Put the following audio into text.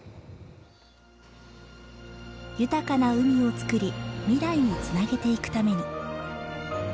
豊かな海をつくり未来につなげていくために。